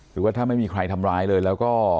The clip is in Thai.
ว่าถ้าไม่มีใครทำร้ายเลยแล้วก็